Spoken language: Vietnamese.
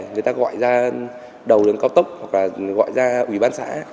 người ta gọi ra đầu đường cao tốc hoặc là gọi ra ủy ban xã